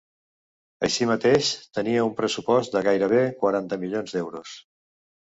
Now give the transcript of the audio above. Així mateix, tenia un pressupost de gairebé quaranta milions d’euros.